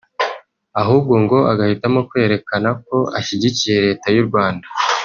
ahubwo ngo agahitamo kwerekana ko ashyigikiye leta y’ u Rwanda